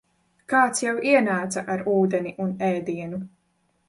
Kāds jau ienāca ar ūdeni un ēdienu.